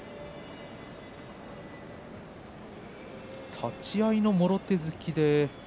立ち合いのもろ手突き